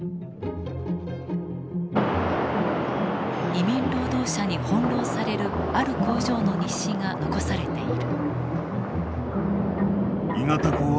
移民労働者に翻弄されるある工場の日誌が残されている。